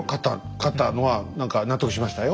勝ったのは何か納得しましたよ。